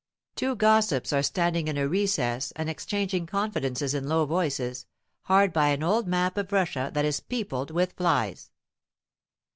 Two gossips are standing in a recess and exchanging confidences in low voices, hard by an old map of Russia that is peopled with flies.